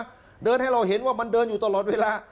ก็เดินให้เราเห็นว่ามันเดินอยู่ตลอดเวลา